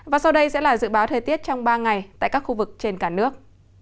và sau đây sẽ là dự báo thời tiết trong ba ngày tại các khu vực trên cả nước